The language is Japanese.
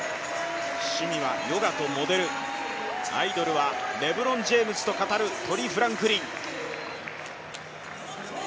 趣味はヨガとモデル、アイドルはレブロン・ジェームズと語るトリ・フランクリン。